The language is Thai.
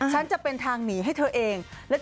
ฉันจะเป็นทางหนีให้เธอเอง